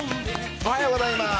おはようございます。